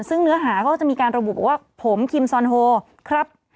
ซึ่งเนื้อหาก็จะมีการระบุบอกว่าผมคิมซอนโฮครับ